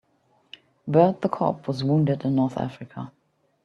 Bert the cop was wounded in North Africa.